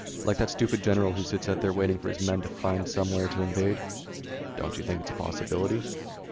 Like that stupid general who sits out there waiting for the men from somewhere to invade?" "Don't you think it's a possibility?"